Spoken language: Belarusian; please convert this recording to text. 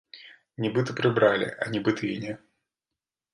Нібыта прыбралі, а нібыта і не.